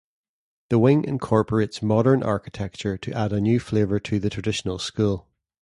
The wing incorporates modern architecture to add a new flavor to the traditional school.